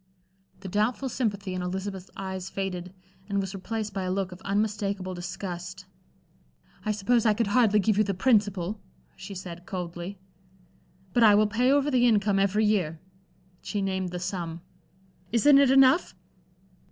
The doubtful sympathy in Elizabeth's eyes faded, and was replaced by a look of unmistakable disgust. "I suppose I could hardly give you the principal," she said, coldly. "But I will pay over the income every year." She named the sum. "Isn't it enough?"